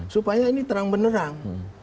supaya ini terang benerang